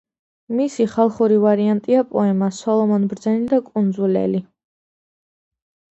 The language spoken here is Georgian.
მისი ხალხური ვარიანტია პოემა „სოლომონ ბრძენი და კუნძულელი“.